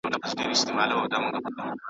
لکه سیوری، لکه وهم، لکه وېره .